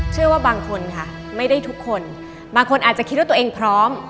เชื่อว่าบางคนค่ะไม่ได้ทุกคนบางคนอาจจะคิดว่าตัวเองพร้อม